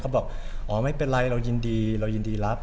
บอกอ๋อไม่เป็นไรเรายินดีเรายินดีรับ